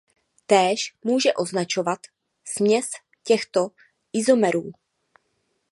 Též může označovat směs těchto izomerů.